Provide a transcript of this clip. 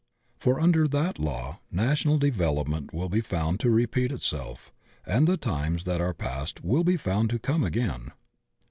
For imder that law national development will be found to repeat itself, and the times that are past will be found to come again.